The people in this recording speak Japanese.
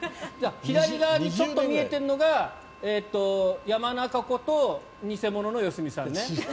左側にちょっと見えてるのが山中湖と偽物の良純さんね。